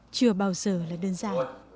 chưa bao giờ là đơn giản